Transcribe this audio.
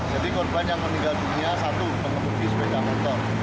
jadi korban yang meninggal dunia satu pengemudi sepeda motor